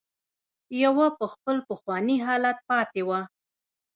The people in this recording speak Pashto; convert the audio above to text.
يوه په خپل پخواني حالت پاتې وه.